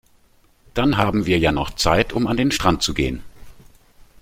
Dann haben wir ja noch Zeit, um an den Strand zu gehen.